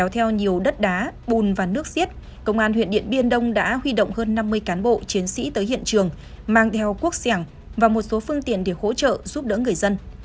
theo nhiều đất đá bùn và nước xiết công an huyện điện biên đông đã huy động hơn năm mươi cán bộ chiến sĩ tới hiện trường mang theo quốc xẻng và một số phương tiện để hỗ trợ giúp đỡ người dân